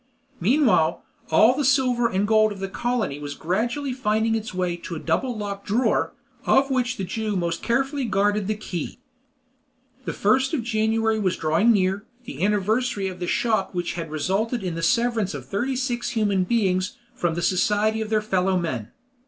Meanwhile, all the silver and gold of the colony was gradually finding its way to a double locked drawer, of which the Jew most carefully guarded the key. The 1st of January was drawing near, the anniversary of the shock which had resulted in the severance of thirty six human beings from the society of their fellow men.